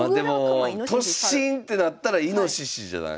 まあでも突進ってなったらイノシシじゃない？